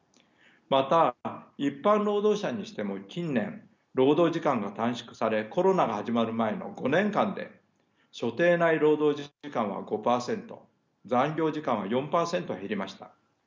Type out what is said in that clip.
また一般労働者にしても近年労働時間が短縮されコロナが始まる前の５年間で所定内労働時間は５％残業時間は４％減りました。